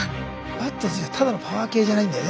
バット選手はただパワー系じゃないんだよね。